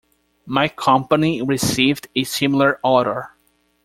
My company received a similar order.